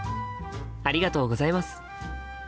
ありがとうございます。